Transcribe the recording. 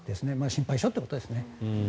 心配性ということですね。